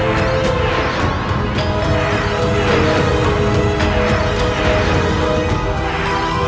jangan lari kamu jangan lari kamu